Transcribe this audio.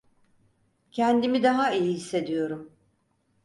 Kendimi daha iyi hissediyorum.